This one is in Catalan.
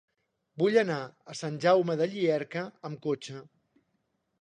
Vull anar a Sant Jaume de Llierca amb cotxe.